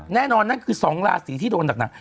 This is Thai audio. แน่นอนนั่นคือสองลาศรีที่โดนดักหนัก